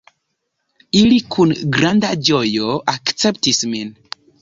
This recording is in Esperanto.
Ili kun granda ĝojo akceptis min.